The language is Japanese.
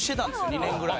２年ぐらい。